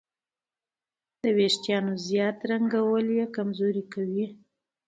د وېښتیانو زیات رنګول یې کمزوري کوي.